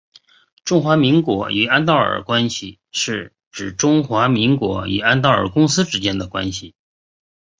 中华民国与安道尔关系是指中华民国与安道尔公国之间的关系。